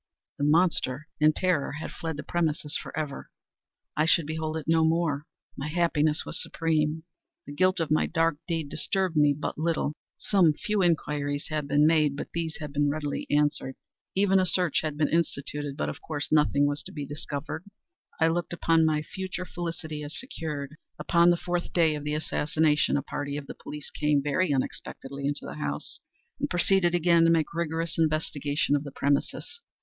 The monster, in terror, had fled the premises forever! I should behold it no more! My happiness was supreme! The guilt of my dark deed disturbed me but little. Some few inquiries had been made, but these had been readily answered. Even a search had been instituted—but of course nothing was to be discovered. I looked upon my future felicity as secured. Upon the fourth day of the assassination, a party of the police came, very unexpectedly, into the house, and proceeded again to make rigorous investigation of the premises.